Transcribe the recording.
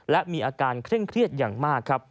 และมีอาการเคร่งเครียดอย่างมากครับ